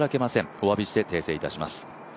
おわびして訂正いたします。